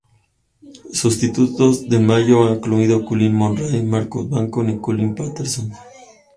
Sustitutos de Mayo han incluido Colin Murray, Richard Bacon y Colin Paterson.